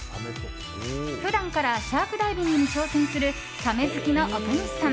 普段からシャークダイビングに挑戦するサメ好きの岡西さん。